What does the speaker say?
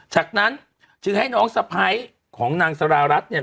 จากนั้นจึงให้น้องสะไพรของนางสรารัฐ